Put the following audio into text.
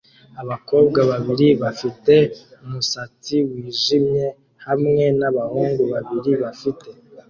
abakobwa babiri bafite umusatsi wijimye hamwe nabahungu babiri bafite